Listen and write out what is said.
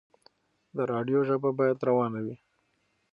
د راډيو ژبه بايد روانه وي.